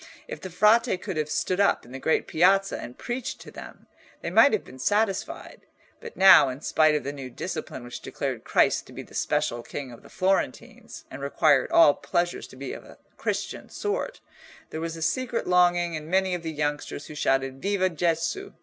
If the Frate could have stood up in the great Piazza and preached to them, they might have been satisfied, but now, in spite of the new discipline which declared Christ to be the special King of the Florentines and required all pleasures to be of a Christian sort, there was a secret longing in many of the youngsters who shouted "Viva Gesu!"